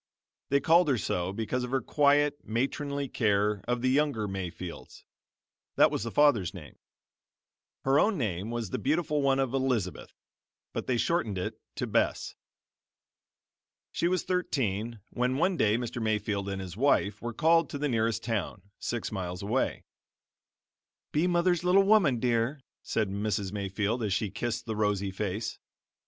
They called her so because of her quiet, matronly care of the younger Mayfields that was the father's name. Her own name was the beautiful one of Elizabeth, but they shortened it to Bess. She was thirteen when one day Mr. Mayfield and his wife were called to the nearest town, six miles away. "Be mother's little woman, dear," said Mrs. Mayfield as she kissed the rosy face.